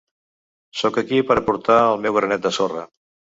Sóc aquí per a aportar el meu granet de sorra.